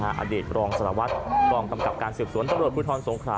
หมาเด็กรองสลวัสตร์กองกำกับการศึกษวนตรวจพุทธรสงครา